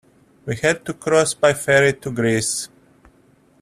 We had to cross by ferry to Greece.